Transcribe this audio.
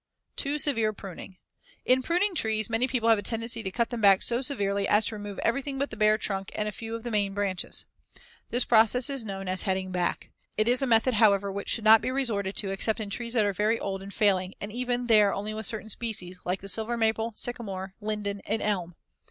] Too severe pruning: In pruning trees, many people have a tendency to cut them back so severely as to remove everything but the bare trunk and a few of the main branches. This process is known as "heading back." It is a method, however, which should not be resorted to except in trees that are very old and failing, and even there only with certain species, like the silver maple, sycamore, linden and elm.